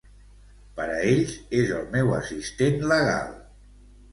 Per a ells, és el meu assistent legal.